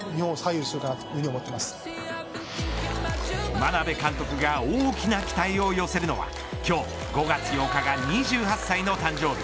眞鍋監督が大きな期待を寄せるのは今日５月８日が２８歳の誕生日